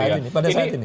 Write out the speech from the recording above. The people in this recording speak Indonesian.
iya pada saat ini